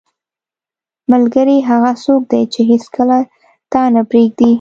• ملګری هغه څوک دی چې هیڅکله تا نه پرېږدي.